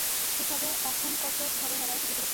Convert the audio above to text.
এসবে এখন কতো ধরনের ভ্যারাইটি এসে গেছে।